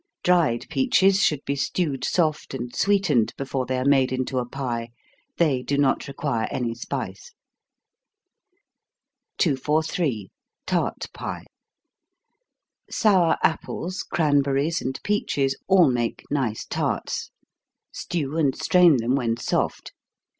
Dried peaches should be stewed soft, and sweetened, before they are made into a pie they do not require any spice. 243. Tart Pie. Sour apples, cranberries, and peaches, all make nice tarts. Stew, and strain them when soft.